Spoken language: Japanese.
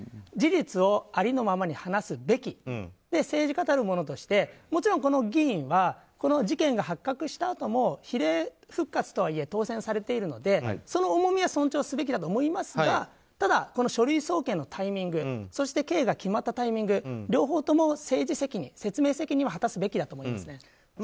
事実をありのままに話すべきで政治家たるものとしてもちろん議員は事件が発覚したあとも比例復活とはいえ当選されているのでその重みは尊重するべきだと思いますがただ、書類送検のタイミングそして刑が決まったタイミング両方とも説明責任を果たすべきだと思います。